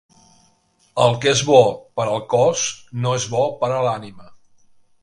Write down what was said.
El que és bo per al cos, no és bo per a l'ànima.